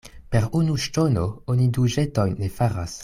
Per unu ŝtono oni du ĵetojn ne faras.